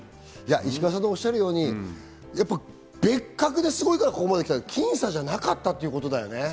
石川さんがおっしゃるように、別格ですごいからここまで来た、僅差じゃなかったってことだね。